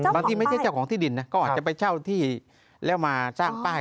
ที่ไม่ใช่เจ้าของที่ดินนะก็อาจจะไปเช่าที่แล้วมาสร้างป้าย